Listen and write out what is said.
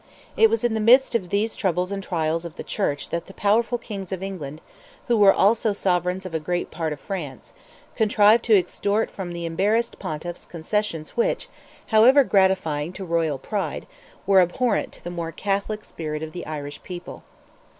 It was in the midst of these troubles and trials of the Church that the powerful Kings of England, who were also sovereigns of a great part of France, contrived to extort from the embarrassed pontiffs concessions which, however gratifying to royal pride, were abhorrent to the more Catholic spirit of the Irish people.